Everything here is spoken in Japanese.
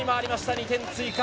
２点追加。